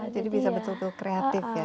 jadi bisa betul betul kreatif ya